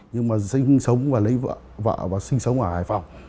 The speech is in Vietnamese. nhưng mà sinh sống và lấy vợ và sinh sống ở hải phòng